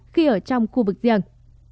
khi ở trong khu vực riêng